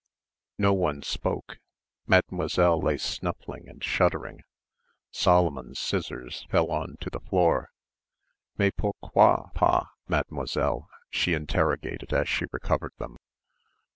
No one spoke; Mademoiselle lay snuffling and shuddering. Solomon's scissors fell on to the floor. "Mais pour_quoi_ pas, Mademoiselle?" she interrogated as she recovered them.